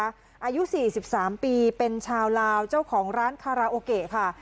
อายุ๔๓ปีเป็นชาวลาวเจ้าของร้านคาราโอเกะค่ะ